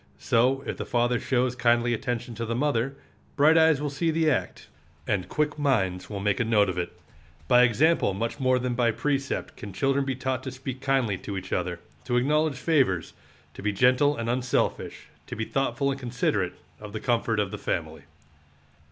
So, if the father shows kindly attention to the mother, bright eyes will see the act, and quick minds will make a note of it. By example much more than by precept can children be taught to speak kindly to each other, to acknowledge favors, to be gentle and unselfish, to be thoughtful and considerate of the comfort of the family.